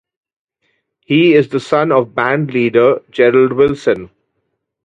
He is the son of bandleader Gerald Wilson.